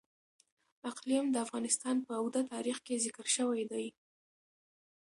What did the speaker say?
اقلیم د افغانستان په اوږده تاریخ کې ذکر شوی دی.